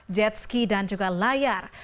jet ski dan juga layar